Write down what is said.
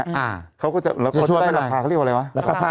แล้วก็ได้ราคาเขาเรียกว่าอะไรวะ